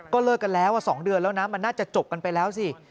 เลิกกันแล้ว๒เดือนแล้วนะมันน่าจะจบกันไปแล้วสิ